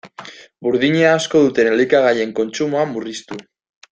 Burdina asko duten elikagaien kontsumoa murriztu.